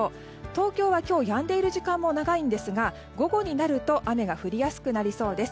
東京は今日やんでいる時間も長いんですが午後になると雨が降りやすくなりそうです。